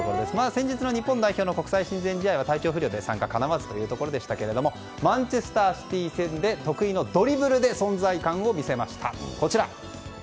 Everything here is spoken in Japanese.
先日の日本代表の国際親善試合は体調不良で参加はかなわずでしたがマンチェスター・シティ戦で得意のドリブルで存在感を見せました。